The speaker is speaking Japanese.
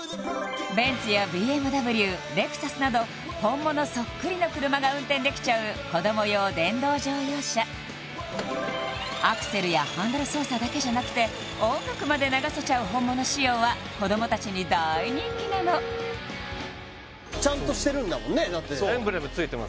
ベンツやＢＭＷレクサスなど本物そっくりの車が運転できちゃう子ども用電動乗用車アクセルやハンドル操作だけじゃなくて音楽まで流せちゃう本物仕様は子ども達に大人気なのエンブレムついてます